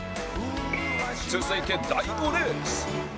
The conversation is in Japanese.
続いて第５レース